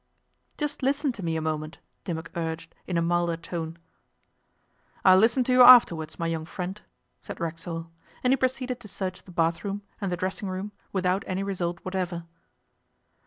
'Just listen to me a moment,' Dimmock urged, in a milder tone. 'I'll listen to you afterwards, my young friend,' said Racksole, and he proceeded to search the bath room, and the dressing room, without any result whatever.